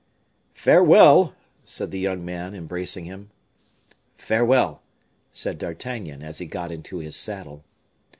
"Farewell!" said the young man, embracing him. "Farewell!" said D'Artagnan, as he got into his saddle.